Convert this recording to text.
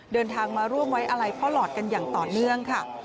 เดินทางมาร่วมไว้อะไรพ่อหลอดกันอย่างต่อเนื่องค่ะ